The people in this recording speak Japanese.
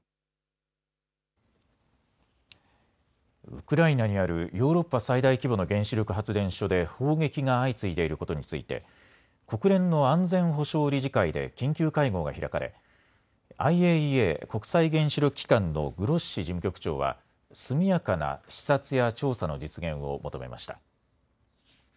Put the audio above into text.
ウクライナにあるヨーロッパ最大規模の原子力発電所で砲撃が相次いでいることについて国連の安全保障理事会で緊急会合が開かれＩＡＥＡ・国際原子力機関のグロッシ事務局長は、すみやかな視察や調査の実現を求めました。